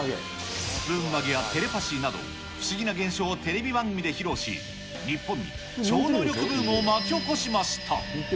スプーン曲げやテレパシーなど、不思議な現象をテレビ番組で披露し、日本に超能力ブームを巻き起こしました。